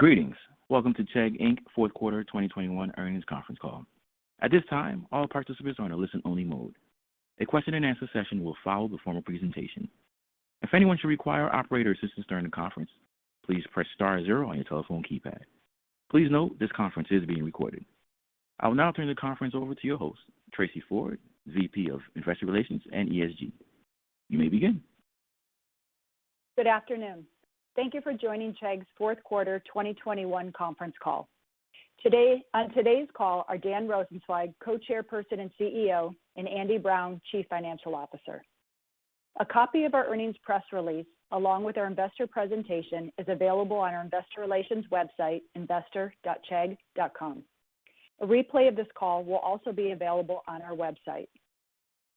Greetings. Welcome to Chegg, Inc.'s fourth quarter 2021 earnings conference call. At this time, all participants are in a listen-only mode. A question-and-answer session will follow the formal presentation. If anyone should require operator assistance during the conference, please press star zero on your telephone keypad. Please note this conference is being recorded. I will now turn the conference over to your host, Tracey Ford, VP of Investor Relations and ESG. You may begin. Good afternoon. Thank you for joining Chegg's fourth quarter 2021 conference call. Today, on today's call are Dan Rosensweig, Co-Chairperson and CEO, and Andy Brown, Chief Financial Officer. A copy of our earnings press release, along with our investor presentation, is available on our investor relations website, investor.chegg.com. A replay of this call will also be available on our website.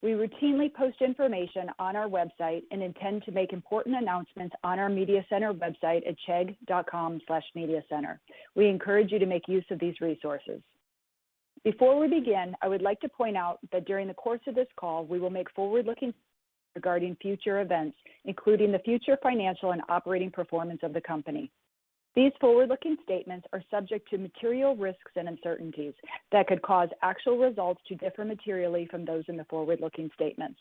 We routinely post information on our website and intend to make important announcements on our media center website at chegg.com/mediacenter. We encourage you to make use of these resources. Before we begin, I would like to point out that during the course of this call, we will make forward-looking statements regarding future events, including the future financial and operating performance of the company. These forward-looking statements are subject to material risks and uncertainties that could cause actual results to differ materially from those in the forward-looking statements.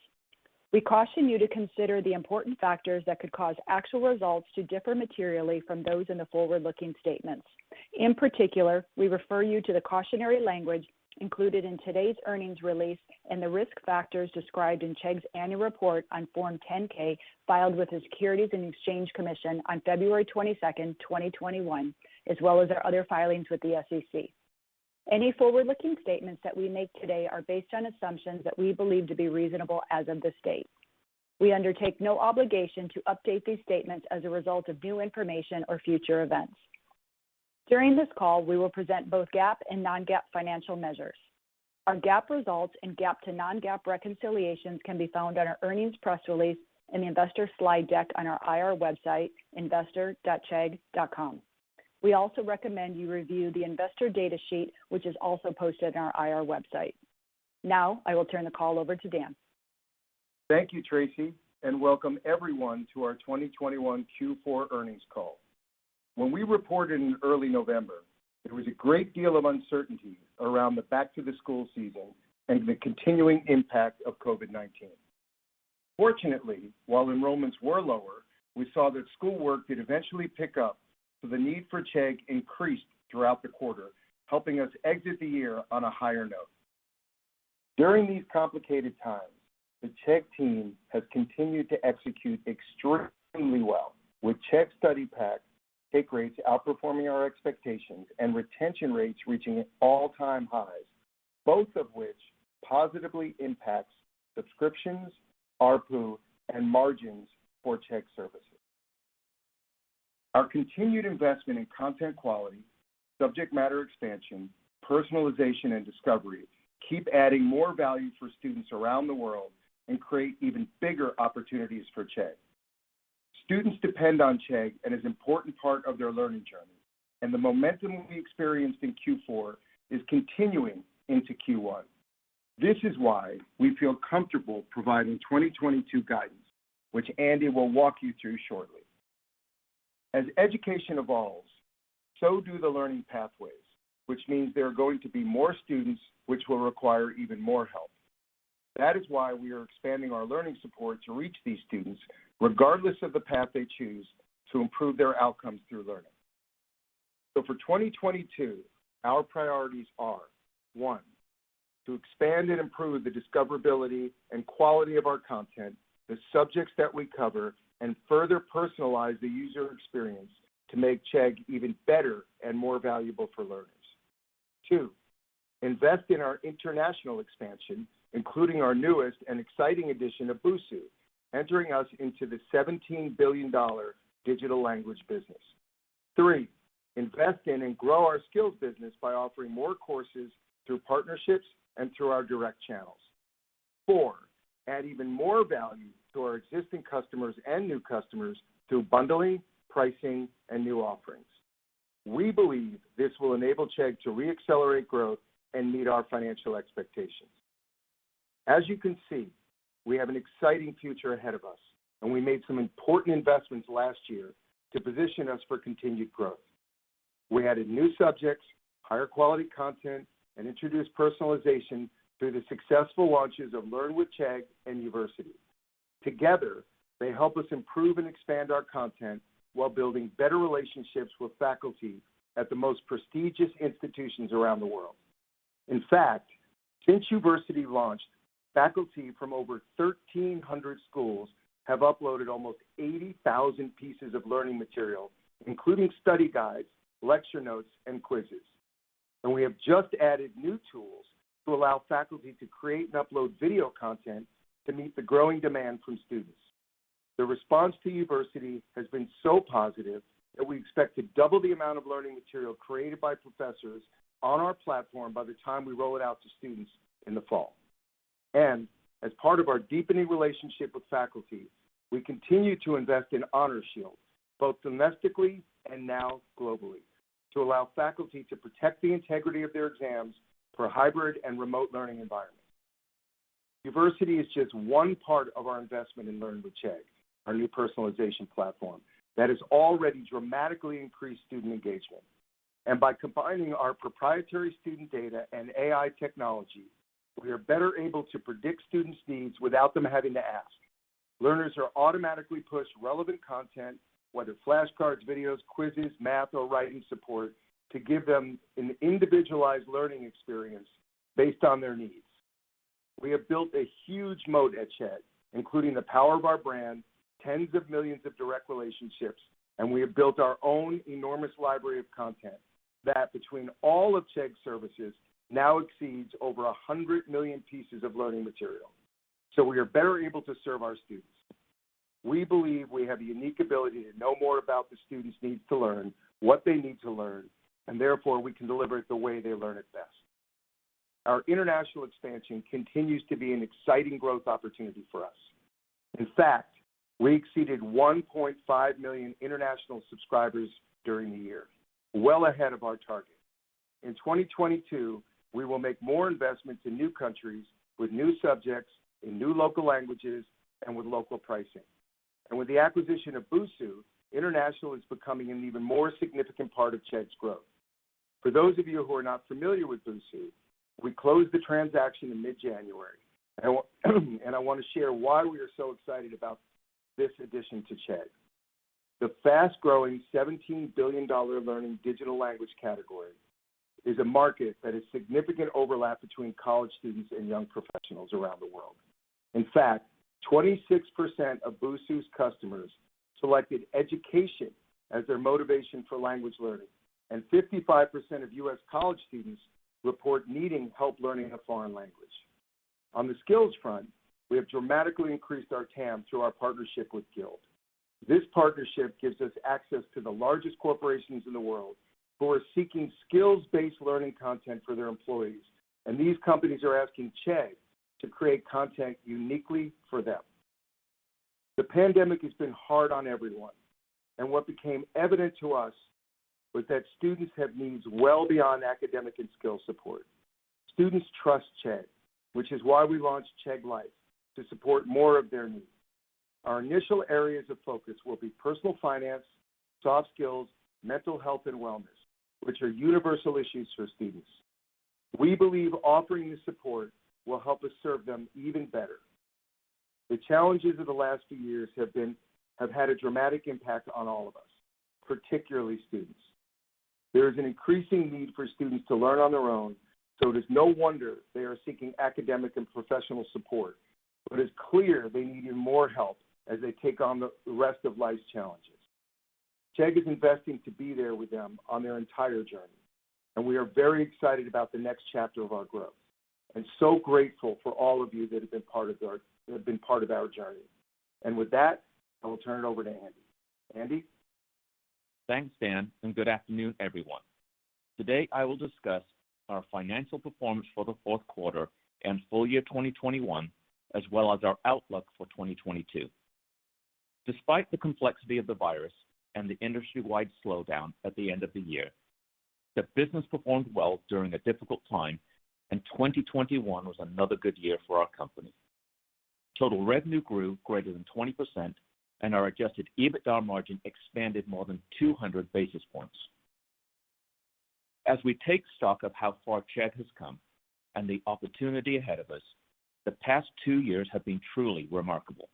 We caution you to consider the important factors that could cause actual results to differ materially from those in the forward-looking statements. In particular, we refer you to the cautionary language included in today's earnings release and the risk factors described in Chegg's annual report on Form 10-K filed with the Securities and Exchange Commission on February twenty-second, twenty twenty-one, as well as our other filings with the SEC. Any forward-looking statements that we make today are based on assumptions that we believe to be reasonable as of this date. We undertake no obligation to update these statements as a result of new information or future events. During this call, we will present both GAAP and non-GAAP financial measures. Our GAAP results and GAAP to non-GAAP reconciliations can be found on our earnings press release in the investor slide deck on our IR website, investor.chegg.com. We also recommend you review the investor data sheet, which is also posted on our IR website. Now I will turn the call over to Dan. Thank you, Tracy, and welcome everyone to our 2021 Q4 earnings call. When we reported in early November, there was a great deal of uncertainty around the back-to-school season and the continuing impact of COVID-19. Fortunately, while enrollments were lower, we saw that schoolwork did eventually pick up, so the need for Chegg increased throughout the quarter, helping us exit the year on a higher note. During these complicated times, the Chegg team has continued to execute extremely well with Chegg Study Pack's take rates outperforming our expectations and retention rates reaching all-time highs, both of which positively impacts subscriptions, ARPU, and margins for Chegg Services. Our continued investment in content quality, subject matter expansion, personalization, and discovery keep adding more value for students around the world and create even bigger opportunities for Chegg. Students depend on Chegg, and it's an important part of their learning journey. The momentum we experienced in Q4 is continuing into Q1. This is why we feel comfortable providing 2022 guidance, which Andy will walk you through shortly. As education evolves, so do the learning pathways, which means there are going to be more students which will require even more help. That is why we are expanding our learning support to reach these students, regardless of the path they choose to improve their outcomes through learning. For 2022, our priorities are, one, to expand and improve the discoverability and quality of our content, the subjects that we cover, and further personalize the user experience to make Chegg even better and more valuable for learners. Two, invest in our international expansion, including our newest and exciting addition of Busuu, entering us into the $17 billion digital language business. Three, invest in and grow our skills business by offering more courses through partnerships and through our direct channels. Four, add even more value to our existing customers and new customers through bundling, pricing, and new offerings. We believe this will enable Chegg to re-accelerate growth and meet our financial expectations. As you can see, we have an exciting future ahead of us, and we made some important investments last year to position us for continued growth. We added new subjects, higher quality content, and introduced personalization through the successful launches of Learn with Chegg and Uversity. Together, they help us improve and expand our content while building better relationships with faculty at the most prestigious institutions around the world. In fact, since Uversity launched, faculty from over 1,300 schools have uploaded almost 80,000 pieces of learning material, including study guides, lecture notes, and quizzes. We have just added new tools to allow faculty to create and upload video content to meet the growing demand from students. The response to Uversity has been so positive that we expect to double the amount of learning material created by professors on our platform by the time we roll it out to students in the fall. As part of our deepening relationship with faculty, we continue to invest in Honor Shield, both domestically and now globally, to allow faculty to protect the integrity of their exams for hybrid and remote learning environments. Uversity is just one part of our investment in Learn with Chegg, our new personalization platform that has already dramatically increased student engagement. By combining our proprietary student data and AI technology, we are better able to predict students' needs without them having to ask. Learners are automatically pushed relevant content, whether flashcards, videos, quizzes, math, or writing support to give them an individualized learning experience based on their needs. We have built a huge moat at Chegg, including the power of our brand, tens of millions of direct relationships, and we have built our own enormous library of content that between all of Chegg's services now exceeds over 100 million pieces of learning material, so we are better able to serve our students. We believe we have the unique ability to know more about the students need to learn, what they need to learn, and therefore we can deliver it the way they learn it best. Our international expansion continues to be an exciting growth opportunity for us. In fact, we exceeded 1.5 million international subscribers during the year, well ahead of our target. In 2022, we will make more investments in new countries with new subjects, in new local languages, and with local pricing. With the acquisition of Busuu, international is becoming an even more significant part of Chegg's growth. For those of you who are not familiar with Busuu, we closed the transaction in mid-January, and I wanna share why we are so excited about this addition to Chegg. The fast-growing $17 billion learning digital language category is a market that has significant overlap between college students and young professionals around the world. In fact, 26% of Busuu's customers selected education as their motivation for language learning, and 55% of U.S. college students report needing help learning a foreign language. On the skills front, we have dramatically increased our TAM through our partnership with Guild. This partnership gives us access to the largest corporations in the world who are seeking skills-based learning content for their employees, and these companies are asking Chegg to create content uniquely for them. The pandemic has been hard on everyone, and what became evident to us was that students have needs well beyond academic and skill support. Students trust Chegg, which is why we launched Chegg Life to support more of their needs. Our initial areas of focus will be personal finance, soft skills, mental health and wellness, which are universal issues for students. We believe offering this support will help us serve them even better. The challenges of the last few years have had a dramatic impact on all of us, particularly students. There is an increasing need for students to learn on their own, so it is no wonder they are seeking academic and professional support. It's clear they need even more help as they take on the rest of life's challenges. Chegg is investing to be there with them on their entire journey, and we are very excited about the next chapter of our growth and so grateful for all of you that have been part of our journey. With that, I will turn it over to Andy. Andy. Thanks, Dan, and good afternoon, everyone. Today, I will discuss our financial performance for the fourth quarter and full year 2021, as well as our outlook for 2022. Despite the complexity of the virus and the industry-wide slowdown at the end of the year, the business performed well during a difficult time, and 2021 was another good year for our company. Total revenue grew greater than 20%, and our adjusted EBITDA margin expanded more than 200 basis points. As we take stock of how far Chegg has come and the opportunity ahead of us, the past two years have been truly remarkable.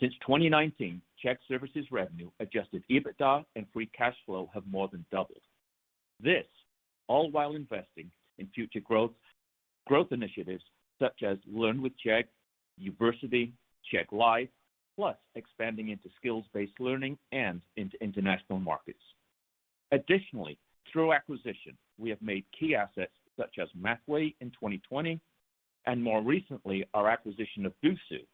Since 2019, Chegg Services revenue, adjusted EBITDA, and free cash flow have more than doubled. This all while investing in future growth initiatives such as Learn with Chegg, Uversity, Chegg Life, plus expanding into skills-based learning and into international markets. Additionally, through acquisition, we have made key assets such as Mathway in 2020 and more recently, our acquisition of Busuu,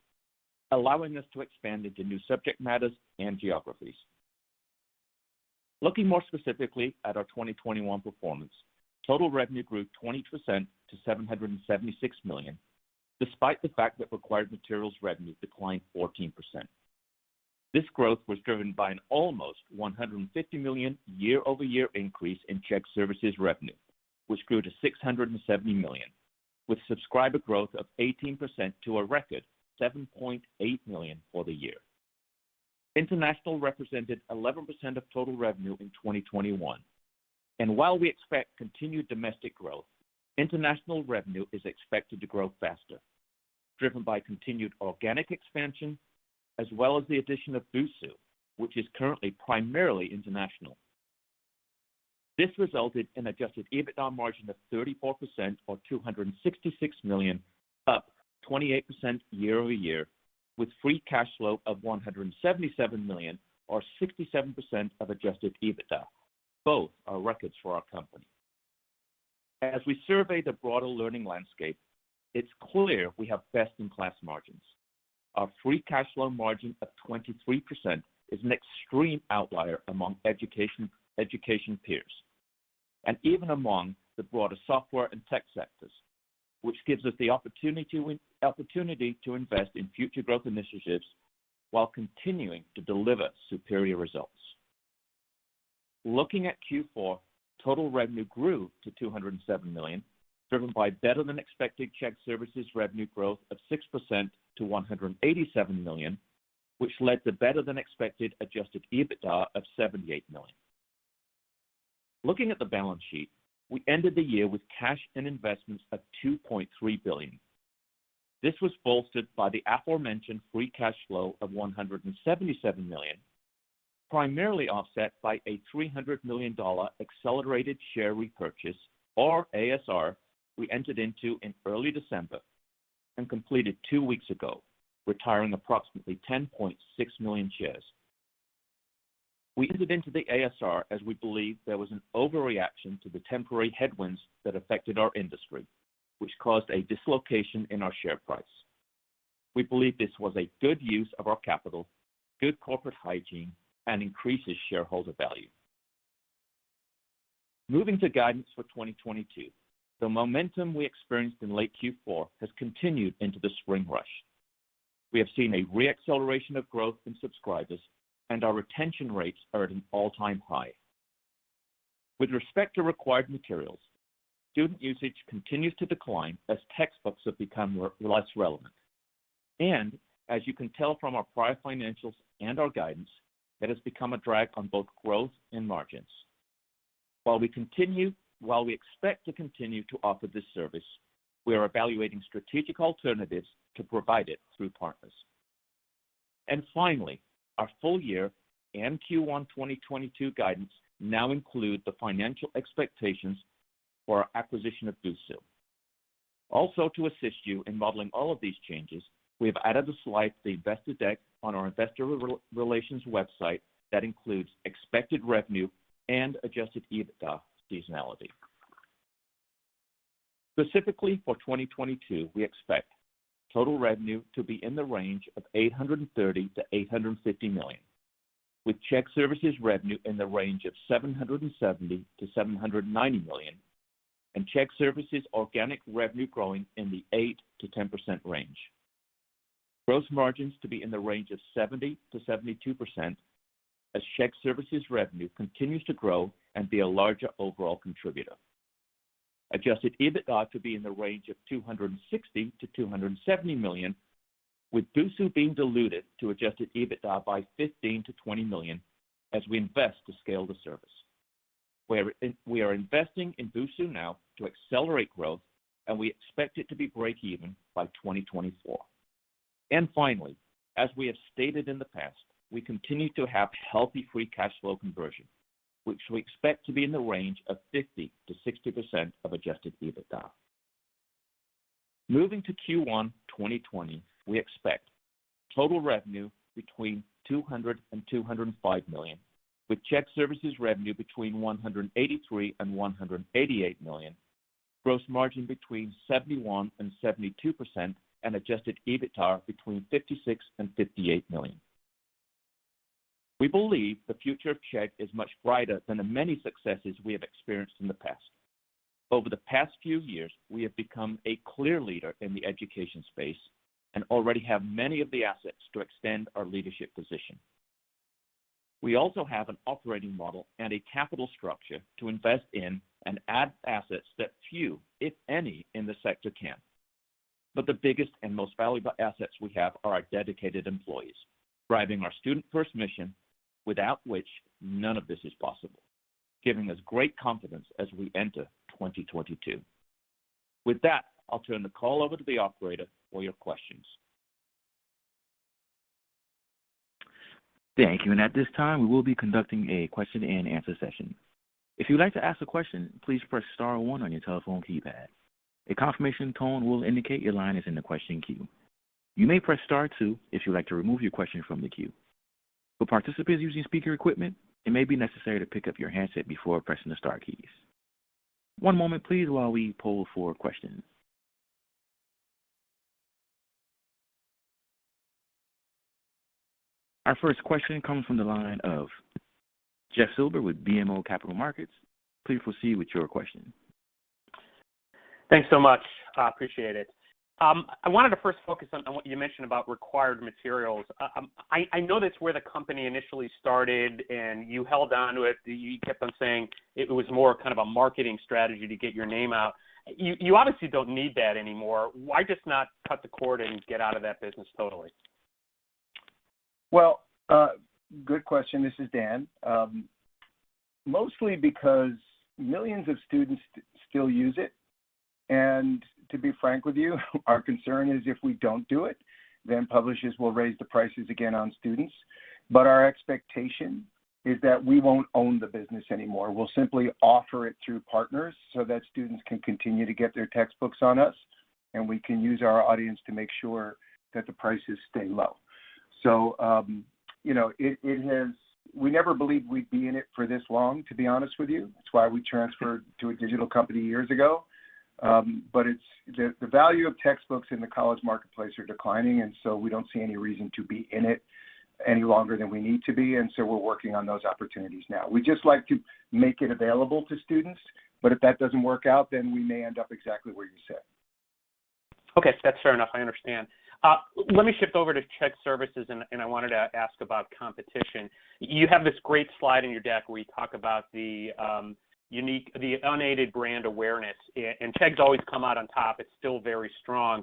allowing us to expand into new subject matters and geographies. Looking more specifically at our 2021 performance, total revenue grew 20% to $776 million, despite the fact that required materials revenue declined 14%. This growth was driven by an almost $150 million year-over-year increase in Chegg Services revenue, which grew to $670 million with subscriber growth of 18% to a record 7.8 million for the year. International represented 11% of total revenue in 2021. While we expect continued domestic growth, international revenue is expected to grow faster, driven by continued organic expansion as well as the addition of Busuu, which is currently primarily international. This resulted in adjusted EBITDA margin of 34% or $266 million, up 28% year-over-year with free cash flow of $177 million or 67% of adjusted EBITDA. Both are records for our company. As we survey the broader learning landscape, it's clear we have best-in-class margins. Our free cash flow margin of 23% is an extreme outlier among education peers and even among the broader software and tech sectors, which gives us the opportunity to invest in future growth initiatives while continuing to deliver superior results. Looking at Q4, total revenue grew to $207 million, driven by better-than-expected Chegg Services revenue growth of 6% to $187 million, which led to better-than-expected adjusted EBITDA of $78 million. Looking at the balance sheet, we ended the year with cash and investments of $2.3 billion. This was bolstered by the aforementioned free cash flow of $177 million, primarily offset by a $300 million accelerated share repurchase or ASR we entered into in early December and completed two weeks ago, retiring approximately 10.6 million shares. We entered into the ASR as we believed there was an overreaction to the temporary headwinds that affected our industry, which caused a dislocation in our share price. We believe this was a good use of our capital, good corporate hygiene, and increases shareholder value. Moving to guidance for 2022, the momentum we experienced in late Q4 has continued into the spring rush. We have seen a re-acceleration of growth in subscribers, and our retention rates are at an all-time high. With respect to required materials, student usage continues to decline as textbooks have become less relevant. As you can tell from our prior financials and our guidance, that has become a drag on both growth and margins. While we expect to continue to offer this service, we are evaluating strategic alternatives to provide it through partners. Finally, our full- year and Q1 2022 guidance now include the financial expectations for our acquisition of Busuu. Also, to assist you in modeling all of these changes, we have added the slide to the investor deck on our investor relations website that includes expected revenue and adjusted EBITDA seasonality. Specifically, for 2022, we expect total revenue to be in the range of $830 million-$850 million, with Chegg Services revenue in the range of $770 million-$790 million, and Chegg Services organic revenue growing in the 8%-10% range. Gross margins to be in the range of 70%-72% as Chegg Services revenue continues to grow and be a larger overall contributor. Adjusted EBITDA to be in the range of $260 million-$270 million, with Busuu being dilutive to adjusted EBITDA by $15 million-$20 million as we invest to scale the service. We are investing in Busuu now to accelerate growth, and we expect it to be break even by 2024. Finally, as we have stated in the past, we continue to have healthy free cash flow conversion, which we expect to be in the range of 50%-60% of adjusted EBITDA. Moving to Q1 2020, we expect total revenue between $200 million and $205 million, with Chegg Services revenue between $183 million and $188 million, gross margin between 71%-72%, and adjusted EBITDA between $56 million and $58 million. We believe the future of Chegg is much brighter than the many successes we have experienced in the past. Over the past few years, we have become a clear leader in the education space and already have many of the assets to extend our leadership position. We also have an operating model and a capital structure to invest in and add assets that few, if any, in the sector can. The biggest and most valuable assets we have are our dedicated employees, driving our student-first mission, without which none of this is possible, giving us great confidence as we enter 2022. With that, I'll turn the call over to the operator for your questions. Thank you. At this time, we will be conducting a question-and-answer session. If you would like to ask a question, please press star one on your telephone keypad. A confirmation tone will indicate your line is in the question queue. You may press star two if you would like to remove your question from the queue. For participants using speaker equipment, it may be necessary to pick up your handset before pressing the star keys. One moment, please, while we poll for questions. Our first question comes from the line of Jeff Silber with BMO Capital Markets. Please proceed with your question. Thanks so much. I appreciate it. I wanted to first focus on what you mentioned about required materials. I know that's where the company initially started, and you held on to it. You kept on saying it was more kind of a marketing strategy to get your name out. You obviously don't need that anymore. Why just not cut the cord and get out of that business totally? Well, good question. This is Dan. Mostly because millions of students still use it, and to be frank with you, our concern is if we don't do it, then publishers will raise the prices again on students. Our expectation is that we won't own the business anymore. We'll simply offer it through partners so that students can continue to get their textbooks on us, and we can use our audience to make sure that the prices stay low. You know, we never believed we'd be in it for this long, to be honest with you. That's why we transferred to a digital company years ago. The value of textbooks in the college marketplace are declining, and so we don't see any reason to be in it any longer than we need to be, and so we're working on those opportunities now. We just like to make it available to students, but if that doesn't work out, then we may end up exactly where you said. Okay, that's fair enough. I understand. Let me shift over to Chegg Services and I wanted to ask about competition. You have this great slide in your deck where you talk about the unaided brand awareness and Chegg's always come out on top. It's still very strong.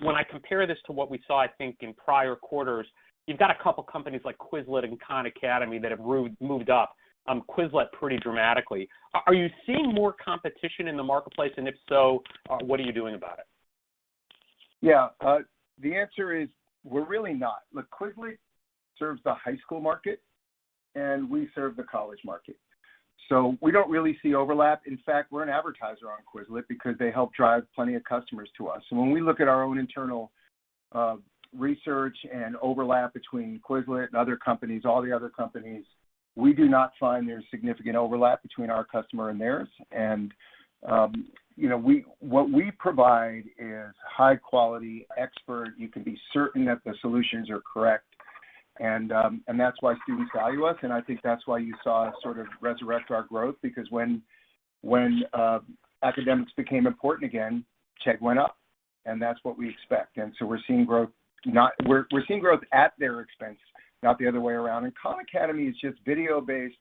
When I compare this to what we saw, I think, in prior quarters, you've got a couple companies like Quizlet and Khan Academy that have moved up, Quizlet pretty dramatically. Are you seeing more competition in the marketplace? If so, what are you doing about it? Yeah. The answer is we're really not. Look, Quizlet serves the high school market, and we serve the college market. We don't really see overlap. In fact, we're an advertiser on Quizlet because they help drive plenty of customers to us. When we look at our own internal research and overlap between Quizlet and other companies, all the other companies, we do not find there's significant overlap between our customer and theirs. You know, what we provide is high quality expert. You can be certain that the solutions are correct, and that's why students value us, and I think that's why you saw us sort of resurrect our growth because when academics became important again, Chegg went up. That's what we expect. We're seeing growth not. We're seeing growth at their expense, not the other way around. Khan Academy is just video-based,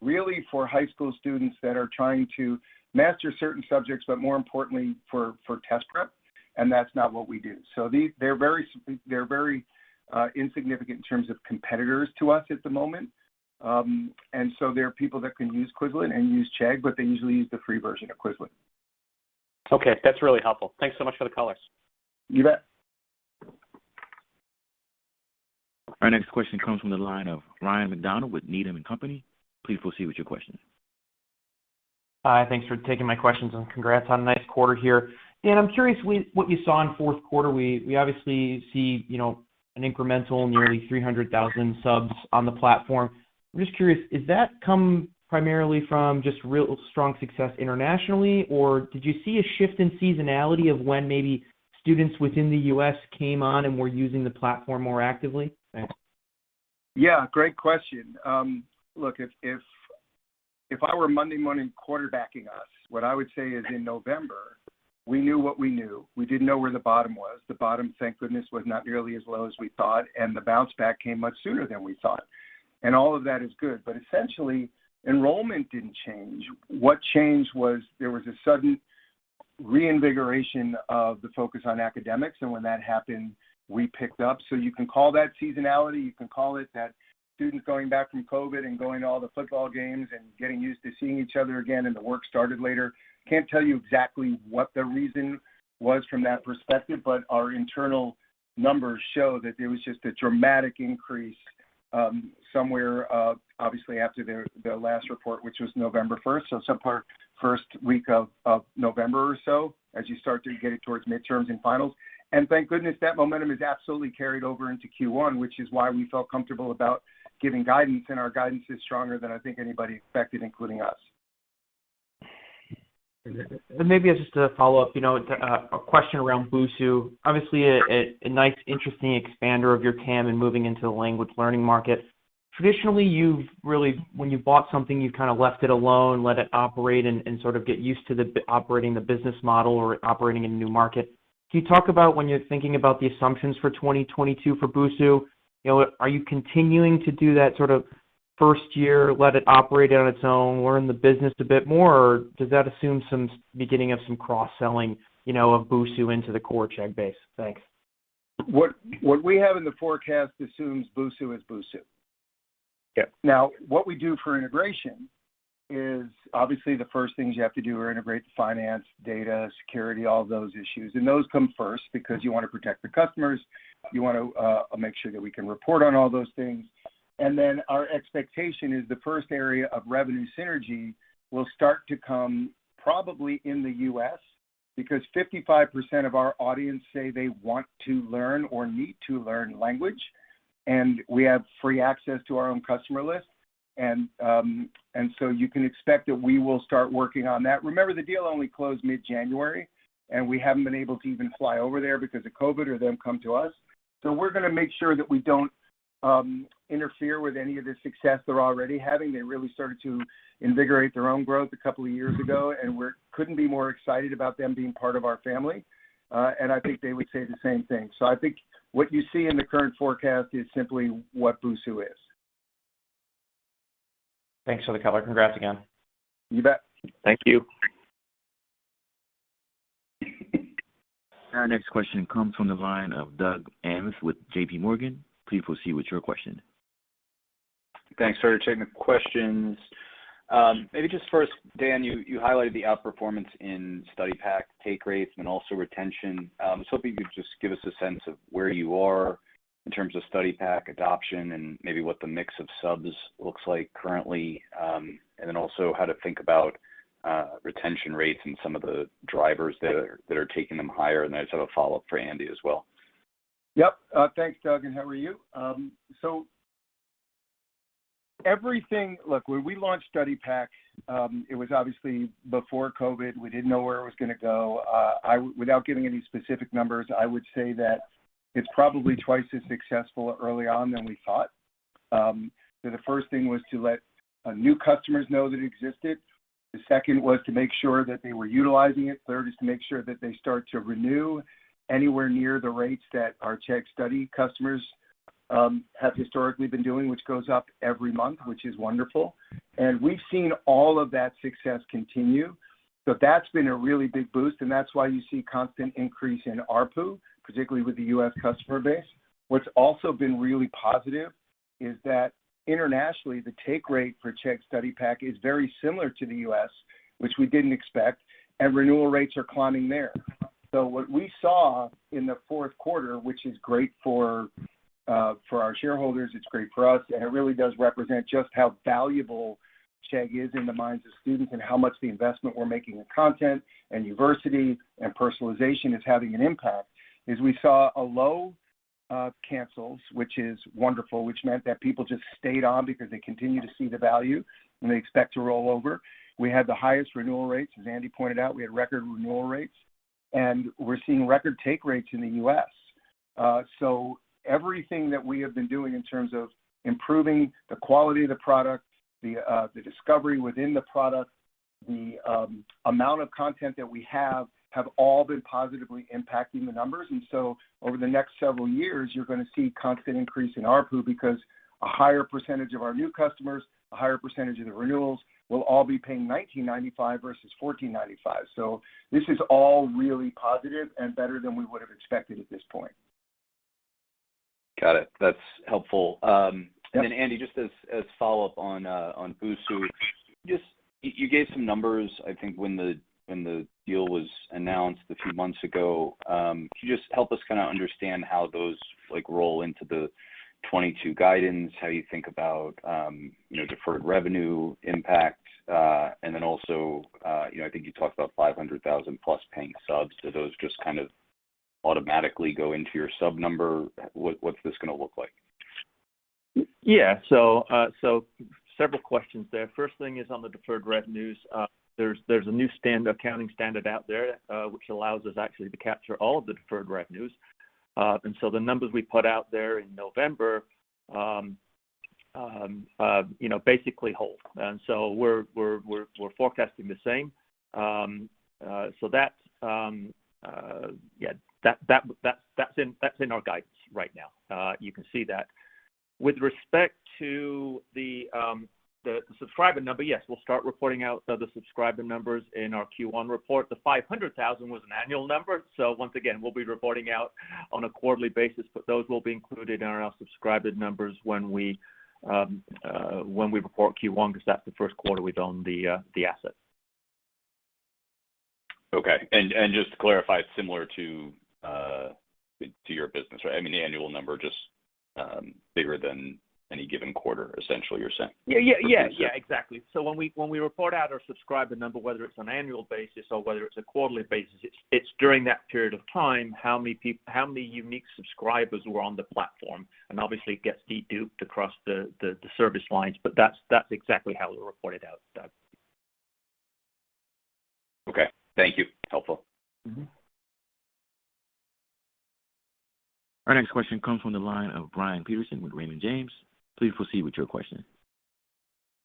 really for high school students that are trying to master certain subjects, but more importantly for test prep, and that's not what we do. They're very insignificant in terms of competitors to us at the moment. There are people that can use Quizlet and use Chegg, but they usually use the free version of Quizlet. Okay, that's really helpful. Thanks so much for the colors. You bet. Our next question comes from the line of Ryan MacDonald with Needham & Company. Please proceed with your question. Hi. Thanks for taking my questions, and congrats on a nice quarter here. Dan, I'm curious what you saw in fourth quarter. We obviously see, you know, an incremental nearly 300,000 subs on the platform. I'm just curious, does that come primarily from just real strong success internationally, or did you see a shift in seasonality of when maybe students within the U.S. came on and were using the platform more actively? Thanks. Yeah, great question. Look, if I were Monday morning quarterbacking us, what I would say is in November, we knew what we knew. We didn't know where the bottom was. The bottom, thank goodness, was not nearly as low as we thought, and the bounce back came much sooner than we thought. All of that is good. Essentially, enrollment didn't change. What changed was there was a sudden reinvigoration of the focus on academics, and when that happened, we picked up. You can call that seasonality. You can call it that students going back from COVID and going to all the football games and getting used to seeing each other again, and the work started later. Can't tell you exactly what the reason was from that perspective, but our internal numbers show that there was just a dramatic increase somewhere obviously after the last report, which was November first. Some part first week of November or so as you start to get towards midterms and finals. Thank goodness that momentum has absolutely carried over into Q1, which is why we felt comfortable about giving guidance, and our guidance is stronger than I think anybody expected, including us. Maybe just a follow-up, you know, to a question around Busuu. Obviously a nice interesting expander of your TAM and moving into the language learning market. Traditionally, you've really, when you've bought something, you've kinda left it alone, let it operate and sort of get used to operating the business model or operating in a new market. Can you talk about when you're thinking about the assumptions for 2022 for Busuu, you know, are you continuing to do that sort of first year, let it operate on its own, learn the business a bit more? Or does that assume some beginning of some cross-selling, you know, of Busuu into the core Chegg base? Thanks. What we have in the forecast assumes Busuu is Busuu. Yeah. Now, what we do for integration is obviously the first things you have to do are integrate the finance, data, security, all of those issues. Those come first because you wanna protect the customers. You wanna make sure that we can report on all those things. Our expectation is the first area of revenue synergy will start to come probably in the U.S. because 55% of our audience say they want to learn or need to learn language, and we have free access to our own customer list. You can expect that we will start working on that. Remember, the deal only closed mid-January, and we haven't been able to even fly over there because of COVID or them come to us. We're gonna make sure that we don't interfere with any of the success they're already having. They really started to invigorate their own growth a couple of years ago, and couldn't be more excited about them being part of our family. I think they would say the same thing. I think what you see in the current forecast is simply what Busuu is. Thanks for the color. Congrats again. You bet. Thank you. Our next question comes from the line of Doug Anmuth with JPMorgan. Please proceed with your question. Thanks for taking the questions. Maybe just first, Dan, you highlighted the outperformance in study pack take rates and also retention. I was hoping you could just give us a sense of where you are in terms of study pack adoption and maybe what the mix of subs looks like currently. Then also how to think about retention rates and some of the drivers that are taking them higher. Then I just have a follow-up for Andy as well. Yep. Thanks, Doug, and how are you? Everything. Look, when we launched Study Pack, it was obviously before COVID. We didn't know where it was gonna go. Without giving any specific numbers, I would say that it's probably twice as successful early on than we thought. The first thing was to let new customers know that it existed. The second was to make sure that they were utilizing it. Third is to make sure that they start to renew anywhere near the rates that our Chegg Study customers have historically been doing, which goes up every month, which is wonderful. We've seen all of that success continue. That's been a really big boost, and that's why you see constant increase in ARPU, particularly with the U.S. customer base. What's also been really positive is that internationally, the take rate for Chegg Study Pack is very similar to the U.S., which we didn't expect, and renewal rates are climbing there. What we saw in the fourth quarter, which is great for our shareholders, it's great for us, and it really does represent just how valuable Chegg is in the minds of students and how much the investment we're making in content and university and personalization is having an impact, is we saw a low of cancels, which is wonderful, which meant that people just stayed on because they continue to see the value, and they expect to roll over. We had the highest renewal rates. As Andy pointed out, we had record renewal rates, and we're seeing record take rates in the U.S. Everything that we have been doing in terms of improving the quality of the product, the discovery within the product, the amount of content that we have all been positively impacting the numbers. Over the next several years, you're gonna see constant increase in ARPU because a higher percentage of our new customers, a higher percentage of the renewals will all be paying $19.95 versus $14.95. This is all really positive and better than we would have expected at this point. Got it. That's helpful. Yeah. Andy, just as follow-up on Busuu. You gave some numbers, I think, when the deal was announced a few months ago. Can you just help us kinda understand how those like roll into the 2022 guidance, how you think about you know deferred revenue impact, and then also you know I think you talked about 500,000+ paying subs. Do those just kind of automatically go into your sub number? What's this gonna look like? Several questions there. First thing is on the deferred revenues. There's a new accounting standard out there, which allows us actually to capture all of the deferred revenues. The numbers we put out there in November, you know, basically hold. We're forecasting the same. That's in our guidance right now. You can see that. With respect to the subscriber number, yes, we'll start reporting out the subscriber numbers in our Q1 report. The 500,000 was an annual number, so once again, we'll be reporting out on a quarterly basis, but those will be included in our subscriber numbers when we report Q1 'cause that's the first quarter we've owned the asset. Okay. Just to clarify, similar to your business, right? I mean, the annual number just bigger than any given quarter, essentially you're saying? Yeah. Exactly. When we report out our subscriber number, whether it's on annual basis or whether it's a quarterly basis, it's during that period of time, how many unique subscribers were on the platform. Obviously, it gets deduped across the service lines, but that's exactly how it was reported out, Doug. Okay. Thank you. Helpful. Mm-hmm. Our next question comes from the line of Brian Peterson with Raymond James. Please proceed with your question.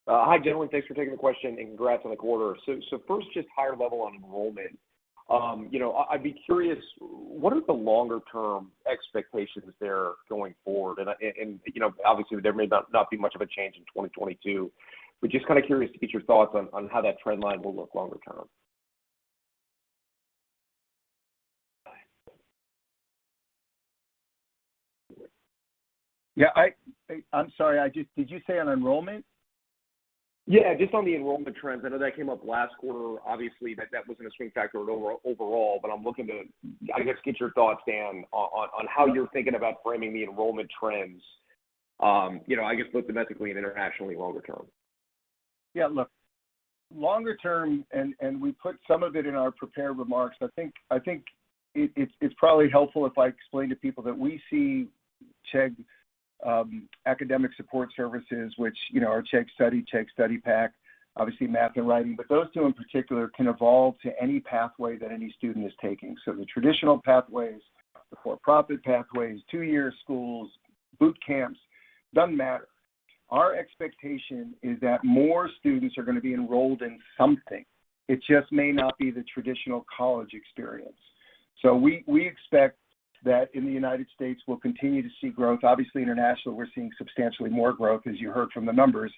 Hi, gentlemen. Thanks for taking the question, and congrats on the quarter. First, just higher level on enrollment. You know, I'd be curious, what are the longer- term expectations there going forward? You know, obviously, there may not be much of a change in 2022. Just kinda curious to get your thoughts on how that trend line will look longer- term. Yeah, I'm sorry. Did you say on enrollment? Yeah, just on the enrollment trends. I know that came up last quarter, obviously, that wasn't a swing factor overall, but I'm looking to, I guess, get your thoughts down on how you're thinking about framing the enrollment trends, you know, I guess, both domestically and internationally longer- term. Yeah, look, longer- term, we put some of it in our prepared remarks. I think it's probably helpful if I explain to people that we see Chegg academic support services, which, you know, are Chegg Study, Chegg Study Pack, obviously math and writing. But those two in particular can evolve to any pathway that any student is taking. The traditional pathways, the for-profit pathways, two-year schools, boot camps, doesn't matter. Our expectation is that more students are gonna be enrolled in something. It just may not be the traditional college experience. We expect that in the United States, we'll continue to see growth. Obviously, international, we're seeing substantially more growth, as you heard from the numbers.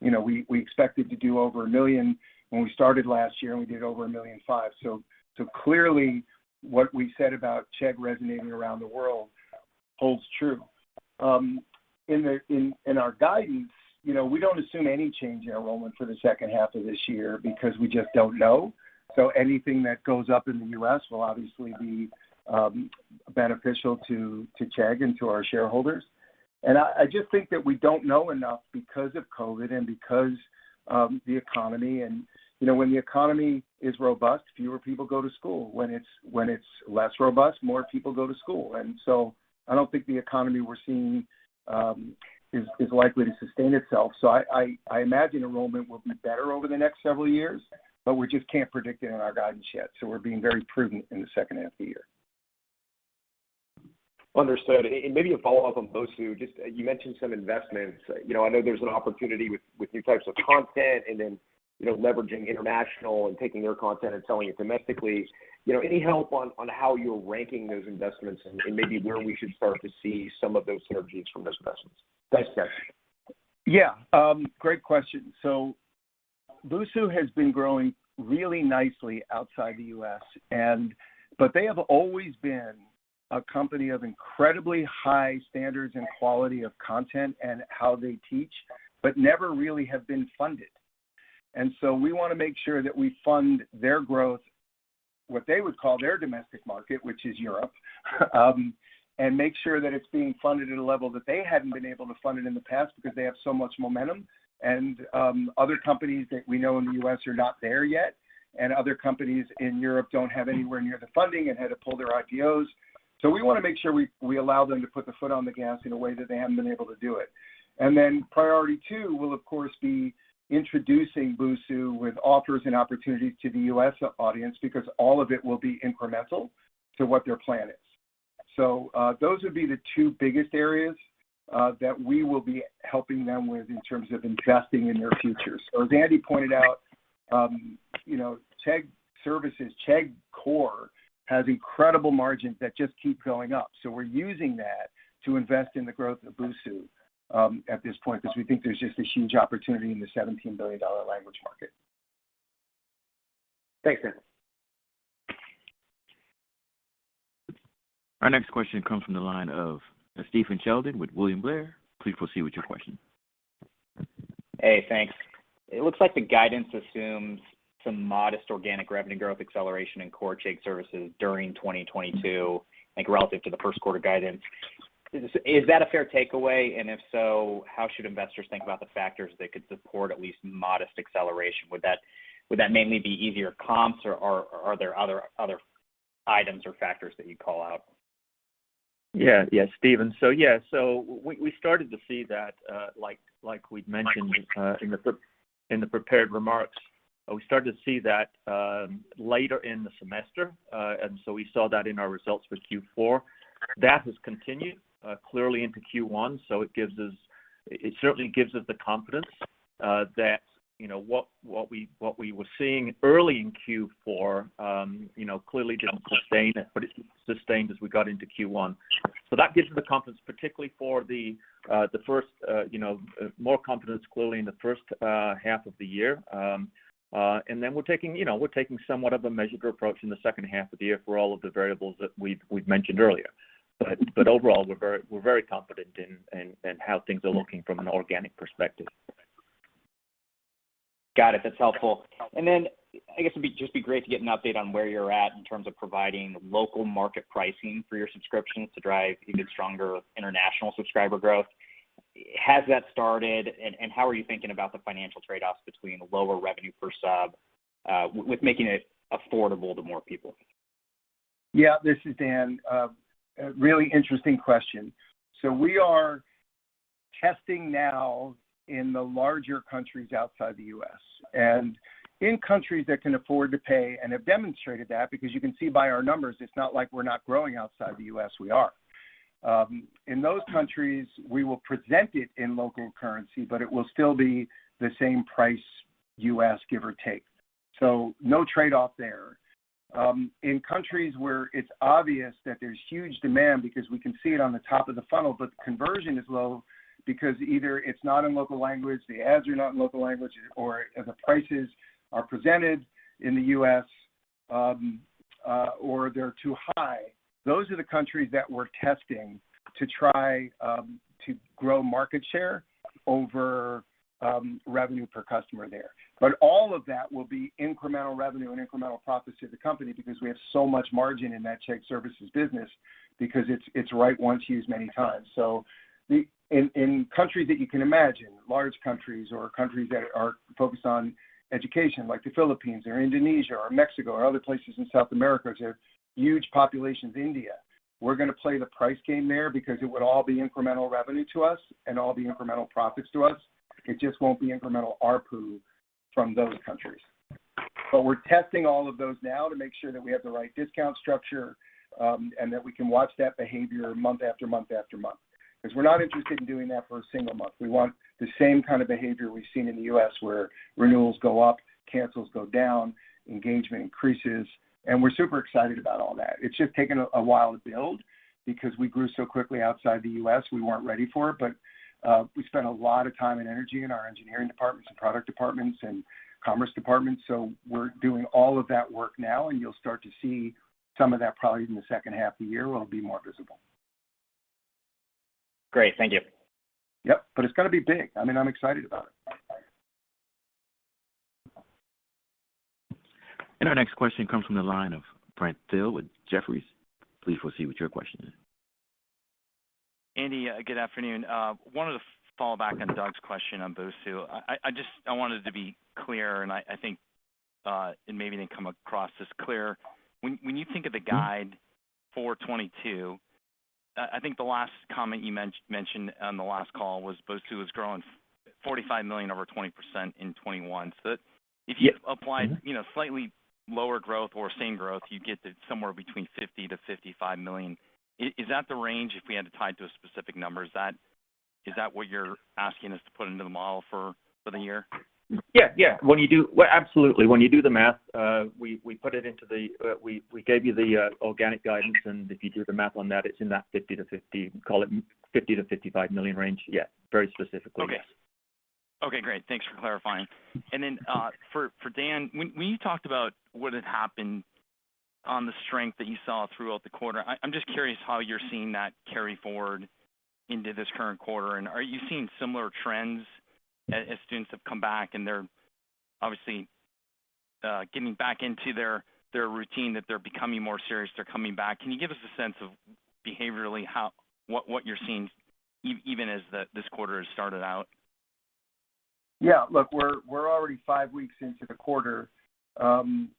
You know, we expected to do over 1 million when we started last year, and we did over 1.5 million. Clearly, what we said about Chegg resonating around the world holds true. In our guidance, you know, we don't assume any change in enrollment for the second half of this year because we just don't know. Anything that goes up in the U.S. will obviously be beneficial to Chegg and to our shareholders. I just think that we don't know enough because of COVID and because of the economy. You know, when the economy is robust, fewer people go to school. When it's less robust, more people go to school. I don't think the economy we're seeing is likely to sustain itself. I imagine enrollment will be better over the next several years, but we just can't predict it in our guidance yet. We're being very prudent in the second half of the year. Understood. Maybe a follow-up on Busuu. Just, you mentioned some investments. You know, I know there's an opportunity with new types of content and then, you know, leveraging international and taking their content and selling it domestically. You know, any help on how you're ranking those investments and maybe where we should start to see some of those synergies from those investments? Thanks, guys. Yeah, great question. Busuu has been growing really nicely outside the U.S., and but they have always been a company of incredibly high standards and quality of content and how they teach, but never really have been funded. We wanna make sure that we fund their growth, what they would call their domestic market, which is Europe, and make sure that it's being funded at a level that they hadn't been able to fund it in the past because they have so much momentum. Other companies that we know in the U.S. are not there yet, and other companies in Europe don't have anywhere near the funding and had to pull their IPOs. We wanna make sure we allow them to put the foot on the gas in a way that they haven't been able to do it. Priority two will of course be introducing Busuu with offers and opportunities to the U.S. audience, because all of it will be incremental to what their plan is. Those would be the two biggest areas that we will be helping them with in terms of investing in their future. As Andy pointed out, you know, Chegg Services, Chegg core has incredible margins that just keep going up. We're using that to invest in the growth of Busuu at this point, because we think there's just a huge opportunity in the $17 billion language market. Thanks, Dan. Our next question comes from the line of Stephen Sheldon with William Blair. Please proceed with your question. Hey, thanks. It looks like the guidance assumes some modest organic revenue growth acceleration in core Chegg Services during 2022, like relative to the first quarter guidance. Is that a fair takeaway? If so, how should investors think about the factors that could support at least modest acceleration? Would that mainly be easier comps or are there other items or factors that you'd call out? Yeah. Yeah, Steven. We started to see that, like we'd mentioned, in the prepared remarks. We started to see that later in the semester. We saw that in our results for Q4. That has continued clearly into Q1, so it certainly gives us the confidence that, you know, what we were seeing early in Q4, you know, clearly didn't sustain, but it sustained as we got into Q1. That gives me the confidence, particularly for the first, you know, more confidence clearly in the first half of the year. We're taking, you know, somewhat of a measured approach in the second half of the year for all of the variables that we've mentioned earlier. Overall, we're very confident in how things are looking from an organic perspective. Got it. That's helpful. I guess it'd be just great to get an update on where you're at in terms of providing local market pricing for your subscriptions to drive even stronger international subscriber growth. Has that started? How are you thinking about the financial trade-offs between lower revenue per sub with making it affordable to more people? Yeah, this is Dan. A really interesting question. We are testing now in the larger countries outside the U.S. In countries that can afford to pay and have demonstrated that, because you can see by our numbers, it's not like we're not growing outside the U.S., we are. In those countries, we will present it in local currency, but it will still be the same price U.S., give or take. No trade-off there. In countries where it's obvious that there's huge demand because we can see it on the top of the funnel, but the conversion is low because either it's not in local language, the ads are not in local language or the prices are presented in the U.S., or they're too high, those are the countries that we're testing to try to grow market share over revenue per customer there. But all of that will be incremental revenue and incremental profits to the company because we have so much margin in that Chegg Services business because it's write once, use many times. In countries that you can imagine, large countries or countries that are focused on education, like the Philippines or Indonesia or Mexico or other places in South America, there's huge populations. India, we're gonna play the price game there because it would all be incremental revenue to us and all be incremental profits to us. It just won't be incremental ARPU from those countries. We're testing all of those now to make sure that we have the right discount structure, and that we can watch that behavior month after month after month. 'Cause we're not interested in doing that for a single month. We want the same kind of behavior we've seen in the U.S. where renewals go up, cancels go down, engagement increases, and we're super excited about all that. It's just taken a while to build because we grew so quickly outside the U.S., we weren't ready for it. We spent a lot of time and energy in our engineering departments and product departments and commerce departments, so we're doing all of that work now, and you'll start to see some of that probably in the second half of the year will be more visible. Great. Thank you. Yep. It's gonna be big. I mean, I'm excited about it. Our next question comes from the line of Brent Thill with Jefferies. Please proceed with your question. Andy, good afternoon. Wanted to follow up on Doug's question on Busuu. I wanted to be clear, and I think it maybe didn't come across as clear. When you think of the guidance for 2022, I think the last comment you mentioned on the last call was Busuu was growing $45 million over 20% in 2021. If you apply- Mm-hmm You know, slightly lower growth or same growth, you get to somewhere between $50-$55 million. Is that the range if we had to tie it to a specific number? Is that what you're asking us to put into the model for the year? Well, absolutely. When you do the math, we gave you the organic guidance, and if you do the math on that, it's in that $50-$55 million range. Yeah, very specifically. Okay. Okay, great. Thanks for clarifying. For Dan, when you talked about what had happened on the strength that you saw throughout the quarter, I'm just curious how you're seeing that carry forward into this current quarter. Are you seeing similar trends as students have come back and they're obviously getting back into their routine, that they're becoming more serious, they're coming back? Can you give us a sense of behaviorally how what you're seeing even as this quarter has started out? Yeah. Look, we're already five weeks into the quarter, and,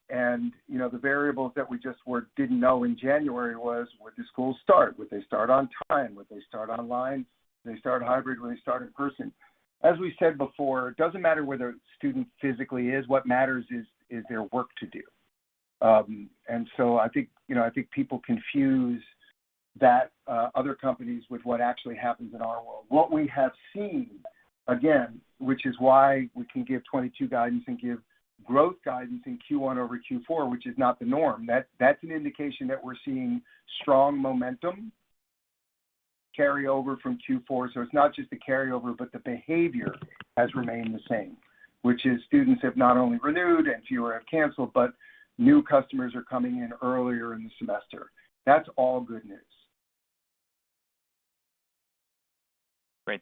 you know, the variables that we just didn't know in January was, would the schools start? Would they start on time? Would they start online? Would they start hybrid? Will they start in person? As we said before, it doesn't matter where the student physically is, what matters is there work to do. And so I think, you know, I think people confuse that, other companies with what actually happens in our world. What we have seen, again, which is why we can give 2022 guidance and give growth guidance in Q1 over Q4, which is not the norm, that's an indication that we're seeing strong momentum carry over from Q4. It's not just the carry over, but the behavior has remained the same, which is students have not only renewed and fewer have canceled, but new customers are coming in earlier in the semester. That's all good news. Great.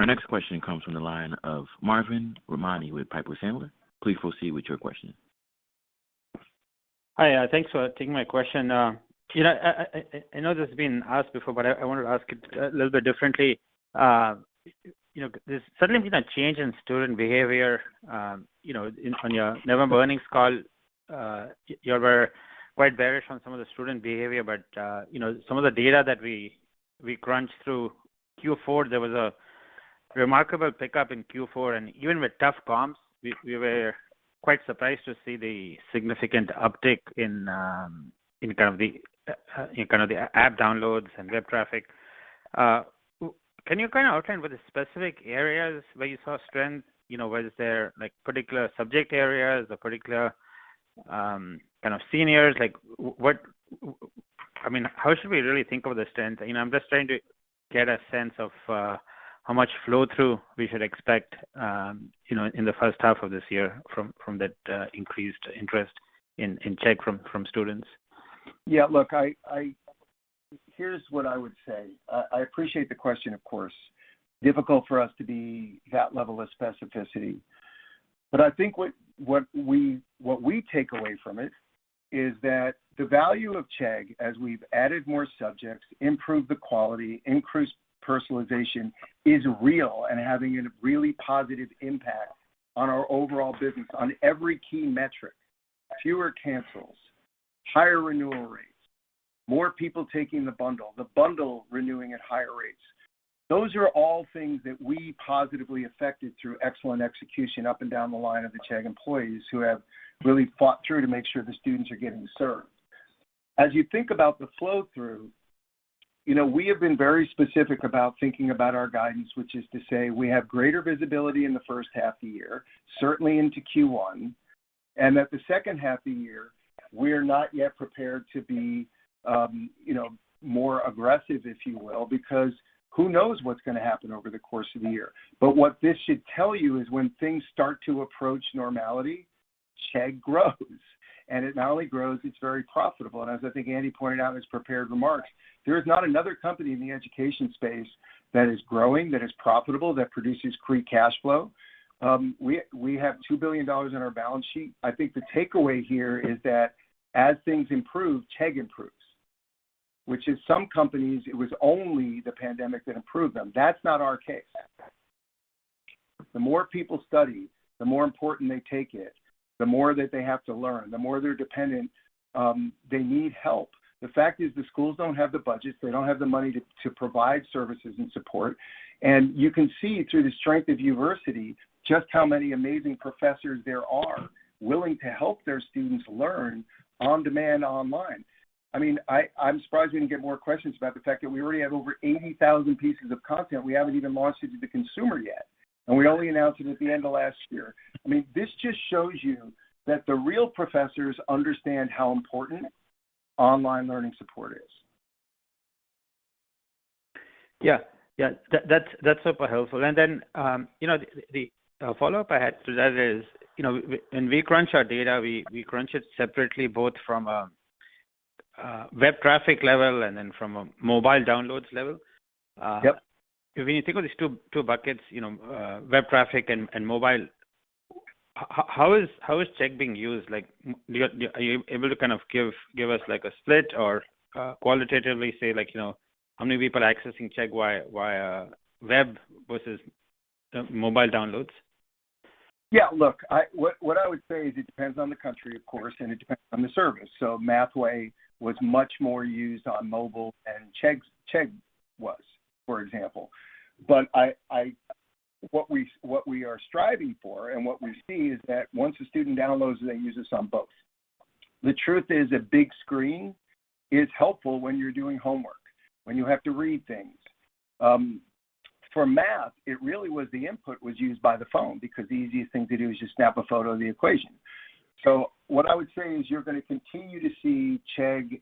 Thank you. Yep. Our next question comes from the line of Arvind Ramnani with Piper Sandler. Please proceed with your question. Hi. Thanks for taking my question. You know, I know this has been asked before, but I wanted to ask it a little bit differently. You know, there's certainly been a change in student behavior, you know, in on your November earnings call. You all were quite bearish on some of the student behavior, but, you know, some of the data that we crunched through Q4, there was a remarkable pickup in Q4, and even with tough comps, we were quite surprised to see the significant uptick in terms of the app downloads and web traffic. Can you kind of outline what the specific areas where you saw strength? You know, was there, like, particular subject areas or particular kind of seniors? Like, what, I mean, how should we really think of the strength? You know, I'm just trying to get a sense of how much flow-through we should expect, you know, in the first half of this year from that increased interest in Chegg from students. Yeah. Look, here's what I would say. I appreciate the question, of course. It's difficult for us to be that level of specificity. I think what we take away from it is that the value of Chegg as we've added more subjects, improved the quality, increased personalization, is real and having a really positive impact on our overall business on every key metric. Fewer cancels, higher renewal rates, more people taking the bundle, the bundle renewing at higher rates. Those are all things that we positively affected through excellent execution up and down the line of the Chegg employees, who have really fought through to make sure the students are getting served. As you think about the flow-through, you know, we have been very specific about thinking about our guidance, which is to say we have greater visibility in the first half of the year, certainly into Q1, and that the second half of the year, we're not yet prepared to be, you know, more aggressive, if you will, because who knows what's gonna happen over the course of the year. What this should tell you is when things start to approach normality, Chegg grows. It not only grows, it's very profitable. As I think Andy pointed out in his prepared remarks, there is not another company in the education space that is growing, that is profitable, that produces free cash flow. We have $2 billion in our balance sheet. I think the takeaway here is that as things improve, Chegg improves. With some companies, it was only the pandemic that improved them. That's not our case. The more people study, the more important they take it, the more that they have to learn, the more they're dependent, they need help. The fact is the schools don't have the budgets, they don't have the money to provide services and support. You can see through the strength of Uversity just how many amazing professors there are willing to help their students learn on demand online. I mean, I'm surprised we didn't get more questions about the fact that we already have over 80,000 pieces of content we haven't even launched it to the consumer yet, and we only announced it at the end of last year. I mean, this just shows you that the real professors understand how important online learning support is. Yeah. That's super helpful. You know, the follow-up I had to that is, you know, when we crunch our data, we crunch it separately both from a web traffic level and then from a mobile downloads level. Yep When you think of these two buckets, you know, web traffic and mobile, how is Chegg being used? Like, are you able to kind of give us like a split or qualitatively say like, you know, how many people are accessing Chegg via web versus mobile downloads? Yeah, look, what I would say is it depends on the country, of course, and it depends on the service. Mathway was much more used on mobile than Chegg was, for example. What we are striving for and what we see is that once a student downloads, they use us on both. The truth is a big screen is helpful when you're doing homework, when you have to read things. For math, it really was the input used on the phone because the easiest thing to do is just snap a photo of the equation. What I would say is you're gonna continue to see Chegg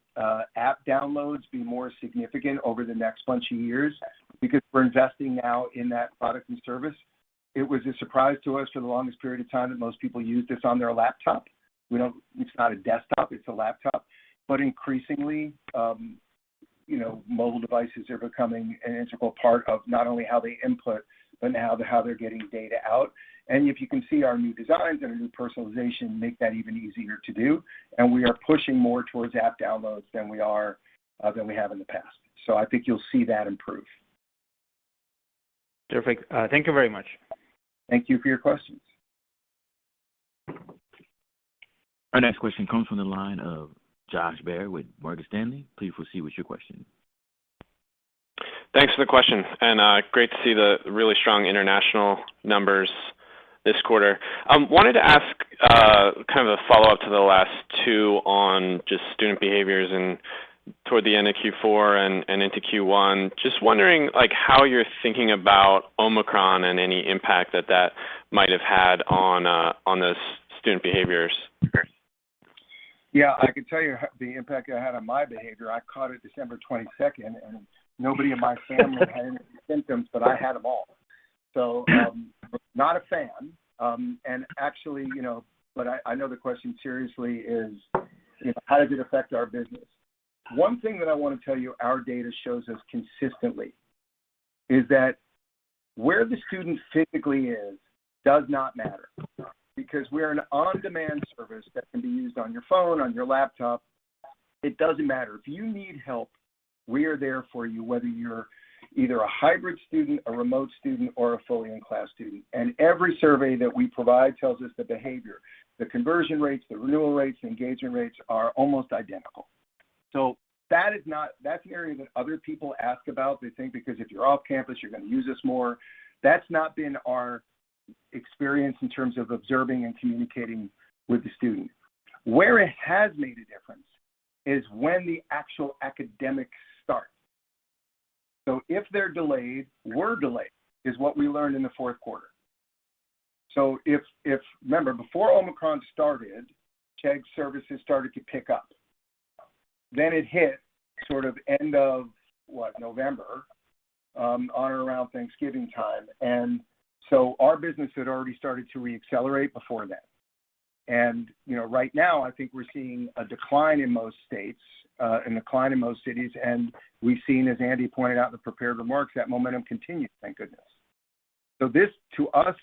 app downloads be more significant over the next bunch of years because we're investing now in that product and service. It was a surprise to us for the longest period of time that most people used this on their laptop. It's not a desktop, it's a laptop. Increasingly, you know, mobile devices are becoming an integral part of not only how they input but now how they're getting data out. If you can see our new designs and our new personalization make that even easier to do, and we are pushing more towards app downloads than we are than we have in the past. I think you'll see that improve. Perfect. Thank you very much. Thank you for your questions. Our next question comes from the line of Josh Baer with Morgan Stanley. Please proceed with your question. Thanks for the question, and great to see the really strong international numbers this quarter. I wanted to ask kind of a follow-up to the last two on just student behaviors and toward the end of Q4 and into Q1. I am just wondering, like, how you're thinking about Omicron and any impact that might have had on those student behaviors. Yeah. I can tell you the impact it had on my behavior. I caught it December 22nd, and nobody in my family had any symptoms, but I had them all. Not a fan. Actually, you know, but I know the question seriously is, you know, how does it affect our business? One thing that I wanna tell you our data shows us consistently is that where the student physically is does not matter because we're an on-demand service that can be used on your phone, on your laptop. It doesn't matter. If you need help, we are there for you, whether you're either a hybrid student, a remote student, or a fully in-class student. Every survey that we provide tells us the behavior. The conversion rates, the renewal rates, the engagement rates are almost identical. That's an area that other people ask about. They think because if you're off campus, you're gonna use us more. That's not been our experience in terms of observing and communicating with the student. Where it has made a difference is when the actual academics start. If they're delayed, we were delayed, is what we learned in the fourth quarter. Remember, before Omicron started, Chegg Services started to pick up. Then it hit sort of end of November, on or around Thanksgiving time. Our business had already started to reaccelerate before then. You know, right now I think we're seeing a decline in most states, a decline in most cities, and we've seen, as Andy pointed out in the prepared remarks, that momentum continue, thank goodness. This to us,